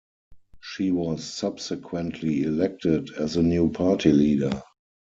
She was subsequently elected as the new Party Leader.